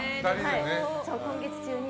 今月中に。